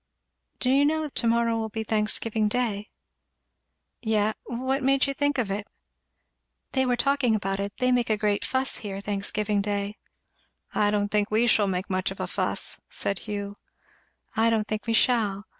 "Do you know to morrow will be Thanksgiving day?" "Ye what made you think of it?" "They were talking about it they make a great fuss here Thanksgiving day." "I don't think we shall make much of a fuss," said Hugh. "I don't think we shall.